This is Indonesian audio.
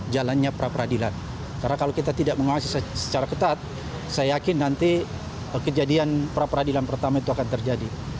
jadi kejadian pra peradilan pertama itu akan terjadi